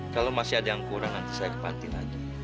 kalau masih ada yang kurang nanti saya kepanti lagi